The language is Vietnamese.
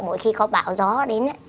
mỗi khi có bão gió đến